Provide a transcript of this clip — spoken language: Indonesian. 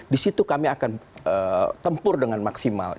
di situ kami akan tempur dengan maksimal